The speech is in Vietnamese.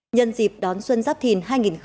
nhân dịp đón xuân giáp thìn hai nghìn hai mươi bốn